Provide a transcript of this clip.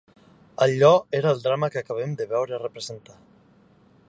Allò era el drama que acabem de veure representar